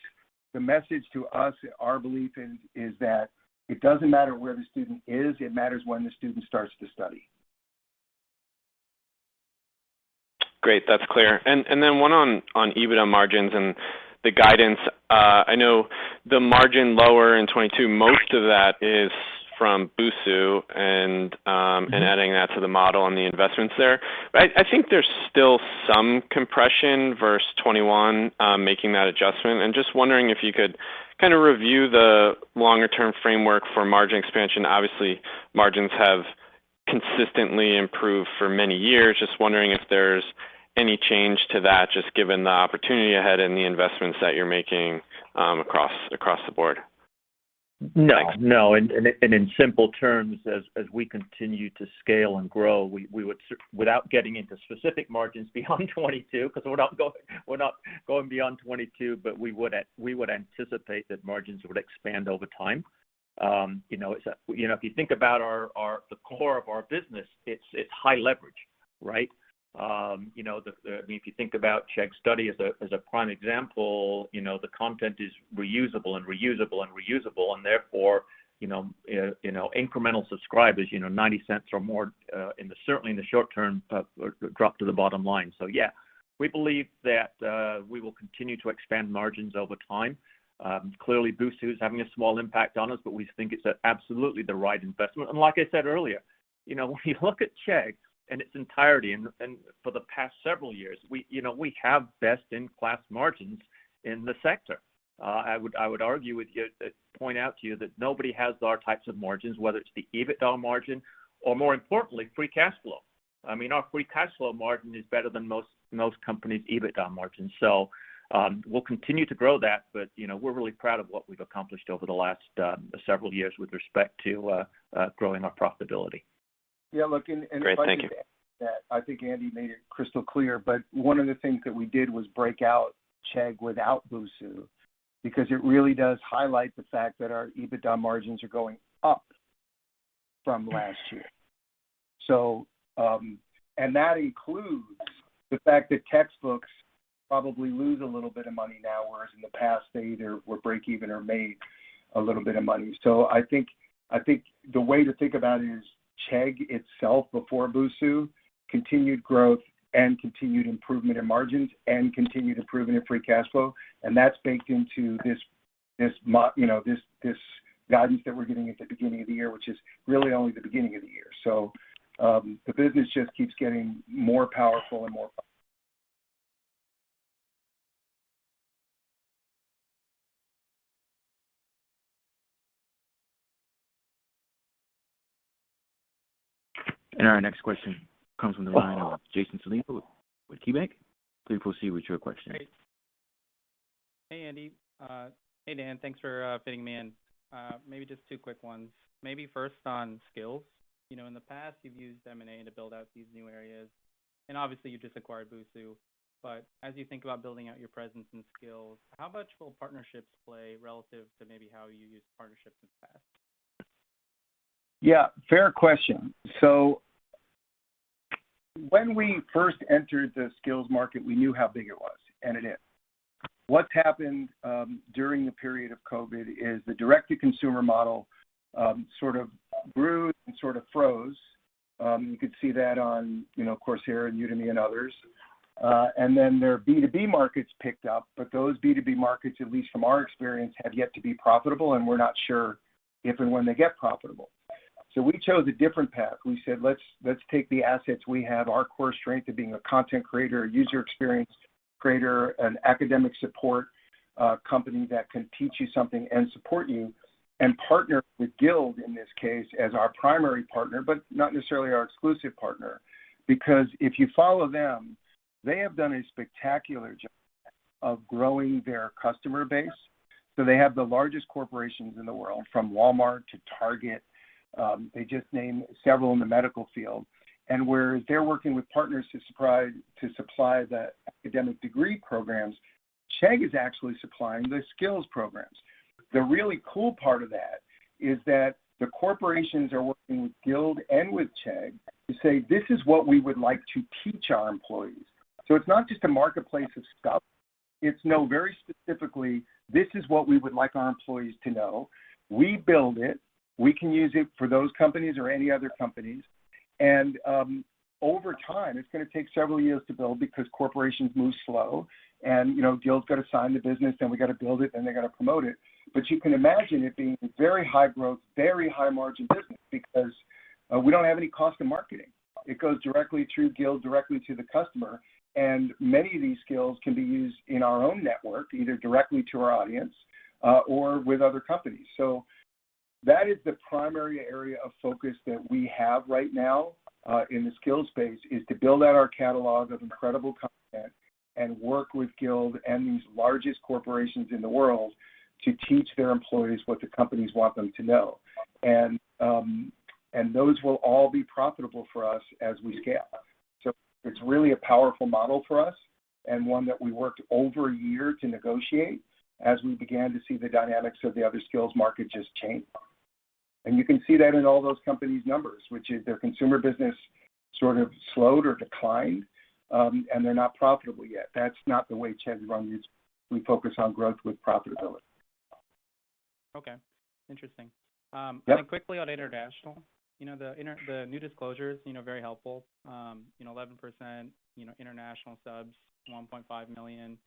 the message to us, our belief is that it doesn't matter where the student is. It matters when the student starts to study. Great. That's clear. Then one on EBITDA margins and the guidance. I know margins are lower in 2022, most of that is from Busuu and adding that to the model and the investments there. I think there's still some compression versus 2021, making that adjustment. Just wondering if you could kinda review the longer- term framework for margin expansion. Obviously, margins have consistently improved for many years. Just wondering if there's any change to that just given the opportunity ahead and the investments that you're making, across the board. No. In simple terms, as we continue to scale and grow, we would without getting into specific margins beyond 2022 because we're not going beyond 2022, but we would anticipate that margins would expand over time. You know, if you think about the core of our business, it's high leverage, right? You know, I mean, if you think about Chegg Study as a prime example, you know, the content is reusable, and therefore, you know, incremental subscribers, you know, $0.90 or more certainly in the short- term drop to the bottom line. Yeah, we believe that we will continue to expand margins over time. Clearly Busuu is having a small impact on us, but we think it's absolutely the right investment. Like I said earlier, you know, when you look at Chegg in its entirety and for the past several years, we, you know, we have best-in-class margins in the sector. I would argue with you, point out to you that nobody has our types of margins, whether it's the EBITDA margin or more importantly, free cash flow. I mean, our free cash flow margin is better than most companies' EBITDA margins. We'll continue to grow that, but, you know, we're really proud of what we've accomplished over the last several years with respect to growing our profitability. Yeah. Look, Great. Thank you. I think Andy made it crystal clear, but one of the things that we did was break out Chegg without Busuu because it really does highlight the fact that our EBITDA margins are going up from last year. That includes the fact that textbooks probably lose a little bit of money now, whereas in the past, they either were break even or made A little bit of money. I think the way to think about it is Chegg itself before Busuu continued growth and continued improvement in margins and continued improvement in free cash flow. That's baked into this, you know, this guidance that we're giving at the beginning of the year, which is really only the beginning of the year. The business just keeps getting more powerful and more. Our next question comes from the line of Jason Celino with KeyBank. Please proceed with your question. Hey Andy. Hey Dan. Thanks for fitting me in. Maybe just two quick ones. Maybe first on skills. You know, in the past, you've used M&A to build out these new areas, and obviously you've just acquired Busuu. As you think about building out your presence and skills, how much will partnerships play relative to maybe how you used partnerships in the past? Yeah, fair question. When we first entered the skills market, we knew how big it was, and it is. What's happened during the period of COVID is the direct-to-consumer model sort of grew and sort of froze. You could see that on, you know, Coursera, Udemy, and others. Then their B2B markets picked up, but those B2B markets, at least from our experience, have yet to be profitable, and we're not sure if and when they get profitable. We chose a different path. We said, "Let's take the assets we have, our core strength of being a content creator, a user experience creator, an academic support company that can teach you something and support you, and partner with Guild, in this case, as our primary partner, but not necessarily our exclusive partner." If you follow them, they have done a spectacular job of growing their customer base. They have the largest corporations in the world, from Walmart to Target, they just named several in the medical field. Where they're working with partners to supply the academic degree programs, Chegg is actually supplying the skills programs. The really cool part of that is that the corporations are working with Guild and with Chegg to say, "This is what we would like to teach our employees." It's not just a marketplace of stuff. It's, "No, very specifically, this is what we would like our employees to know." We build it, we can use it for those companies or any other companies. Over time, it's gonna take several years to build because corporations move slow and, you know, Guild's got to sign the business, then we got to build it, then they got to promote it. You can imagine it being a very high-growth, very high-margin business because we don't have any cost in marketing. It goes directly through Guild, directly to the customer. Many of these skills can be used in our own network, either directly to our audience, or with other companies. That is the primary area of focus that we have right now, in the skills space, is to build out our catalog of incredible content and work with Guild and these largest corporations in the world to teach their employees what the companies want them to know. Those will all be profitable for us as we scale. It's really a powerful model for us and one that we worked over a year to negotiate as we began to see the dynamics of the other skills market just change. You can see that in all those companies' numbers, which is their consumer business sort of slowed or declined, and they're not profitable yet. That's not the way Chegg runs. We focus on growth with profitability. Okay. Interesting. Yep. Quickly on international. You know, the new disclosures, you know, very helpful. You know, 11%, you know, international subs, 1.5 million.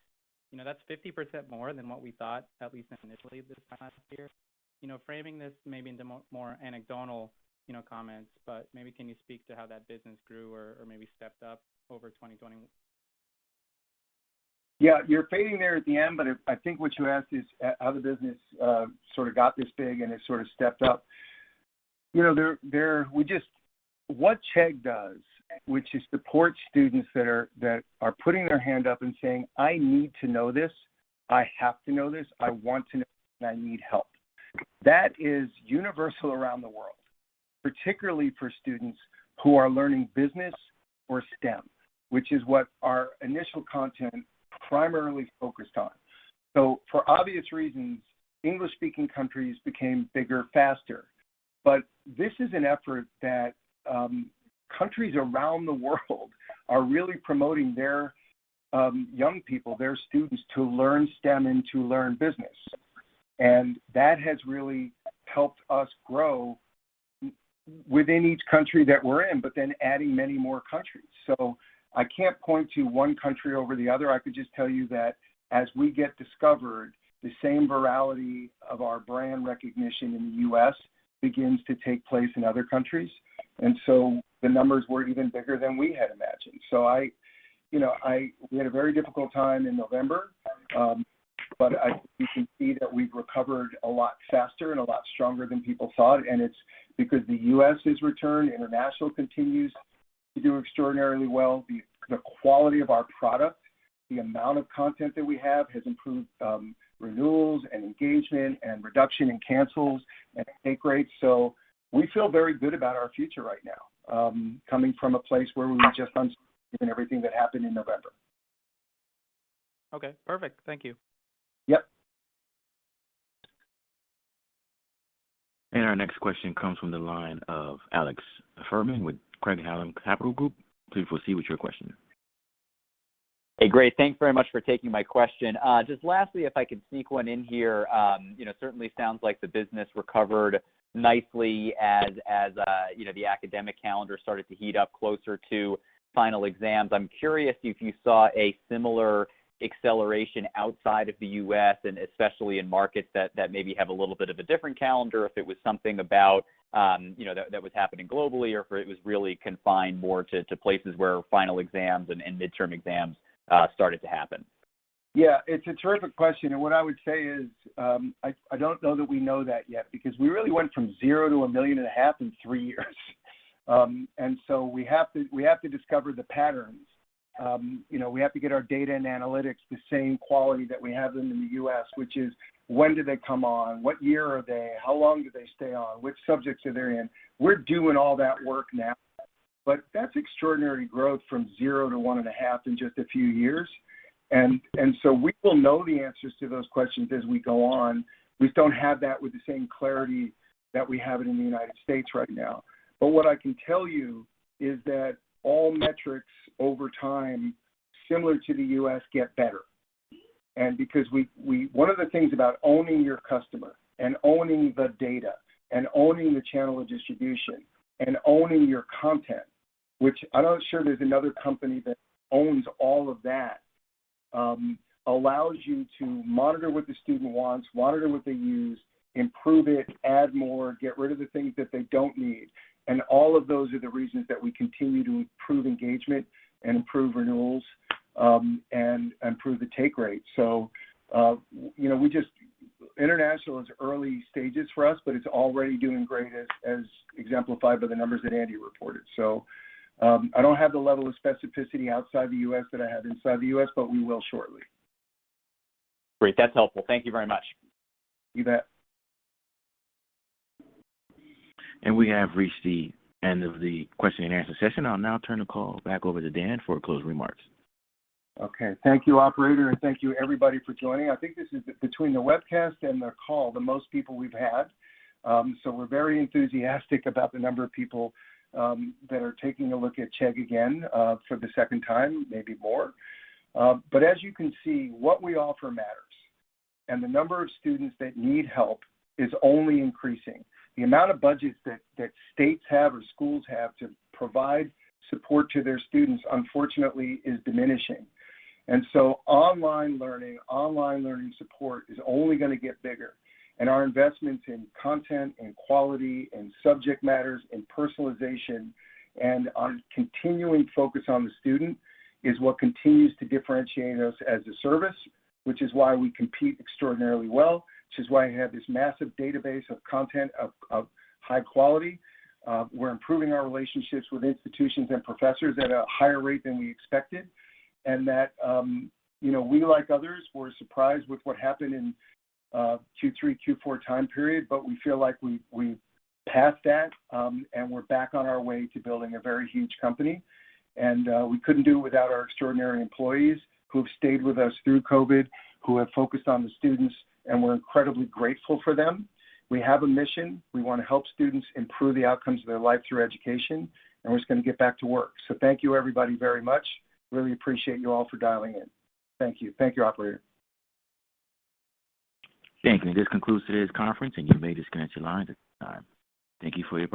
You know, that's 50% more than what we thought, at least initially this time last year. You know, framing this maybe in the more anecdotal, you know, comments, but maybe can you speak to how that business grew or maybe stepped up over 2021? Yeah. You're fading there at the end, but I think what you asked is how the business sort of got this big and it sort of stepped up. You know, What Chegg does, which is support students that are putting their hand up and saying, "I need to know this. I have to know this. I want to know this, and I need help." That is universal around the world, particularly for students who are learning business or STEM, which is what our initial content primarily focused on. For obvious reasons, English-speaking countries became bigger faster. This is an effort that countries around the world are really promoting their young people, their students to learn STEM and to learn business. That has really helped us grow within each country that we're in, but then adding many more countries. I can't point to one country over the other. I could just tell you that as we get discovered, the same virality of our brand recognition in the U.S. begins to take place in other countries. The numbers were even bigger than we had imagined. We had a very difficult time in November, but I think you can see that we've recovered a lot faster and a lot stronger than people thought. It's because the U.S. has returned, international continues to do extraordinarily well. The quality of our product, the amount of content that we have has improved, renewals and engagement and reduction in cancels and late rates. We feel very good about our future right now, coming from a place where we were just uncertain given everything that happened in November. Okay. Perfect. Thank you. Yep. Our next question comes from the line of Alex Fuhrman with Craig-Hallum Capital Group. Please proceed with your question. Hey, great. Thanks very much for taking my question. Just lastly, if I could sneak one in here. You know, certainly sounds like the business recovered nicely as you know, the academic calendar started to heat up closer to final exams. I'm curious if you saw a similar acceleration outside of the U.S. and especially in markets that maybe have a little bit of a different calendar. If it was something about that was happening globally, or if it was really confined more to places where final exams and midterm exams started to happen. Yeah, it's a terrific question. What I would say is, I don't know that we know that yet because we really went from zero to 1.5 million in three years. We have to discover the patterns. You know, we have to get our data and analytics the same quality that we have them in the U.S. which is when do they come on? What year are they? How long do they stay on? Which subjects are they in? We're doing all that work now. That's extraordinary growth from zero to 1.5 in just a few years. We will know the answers to those questions as we go on. We don't have that with the same clarity that we have it in the United States right now. What I can tell you is that all metrics over time, similar to the U.S., get better. Because we one of the things about owning your customer and owning the data and owning the channel of distribution and owning your content, which I'm not sure there's another company that owns all of that, allows you to monitor what the student wants, monitor what they use, improve it, add more, get rid of the things that they don't need. All of those are the reasons that we continue to improve engagement and improve renewals and improve the take rate. You know, international is early stages for us, but it's already doing great as exemplified by the numbers that Andy reported. I don't have the level of specificity outside the U.S. that I have inside the U.S., but we will shortly. Great. That's helpful. Thank you very much. You bet. We have reached the end of the question-and-answer session. I'll now turn the call back over to Dan for closing remarks. Okay. Thank you, operator, and thank you everybody for joining. I think this is between the webcast and the call the most people we've had. We're very enthusiastic about the number of people that are taking a look at Chegg again for the second time, maybe more. As you can see, what we offer matters. The number of students that need help is only increasing. The amount of budgets that states have or schools have to provide support to their students, unfortunately, is diminishing. Online learning support is only gonna get bigger. Our investments in content and quality and subject matters and personalization and our continuing focus on the student is what continues to differentiate us as a service, which is why we compete extraordinarily well, which is why I have this massive database of content of high quality. We're improving our relationships with institutions and professors at a higher rate than we expected. That, we, like others, were surprised with what happened in Q3, Q4 time period, but we feel like we've passed that, and we're back on our way to building a very huge company. We couldn't do it without our extraordinary employees who have stayed with us through COVID, who have focused on the students, and we're incredibly grateful for them. We have a mission. We wanna help students improve the outcomes of their life through education, and we're just gonna get back to work. Thank you everybody very much. Really appreciate you all for dialing in. Thank you. Thank you, operator. Thank you. This concludes today's conference, and you may disconnect your lines at this time. Thank you for your participation.